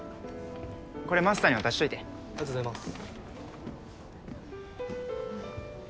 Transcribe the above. これマスターに渡しといてありがとうございます